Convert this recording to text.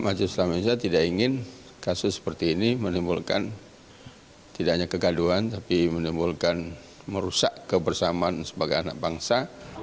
karena majelis ulama indonesia tidak ingin kasus seperti ini menimbulkan tidak hanya kegaduhan tapi menimbulkan merusak kebersamaan sebagai anak bangsa